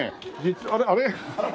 あれあれ。